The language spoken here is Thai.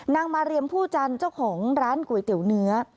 มาเรียมผู้จันทร์เจ้าของร้านก๋วยเตี๋ยวเนื้อ